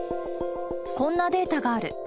こんなデータがある。